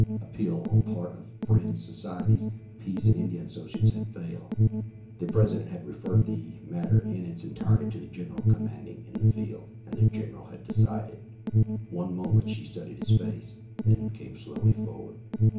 Appeal on part of Friends Societies, Peace and Indian Associations had failed. The President had referred the matter in its entirety to the general commanding in the field, and the general had decided. One moment she studied his face, then came slowly forward.